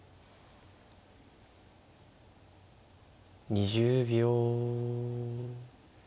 ２０秒。